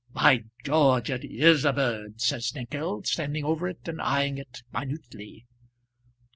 "By George, it is a bird," said Snengkeld, standing over it and eyeing it minutely.